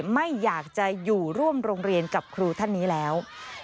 ไม่อยากจะอยู่ร่วมโรงเรียนกับครูท่านนี้แล้ว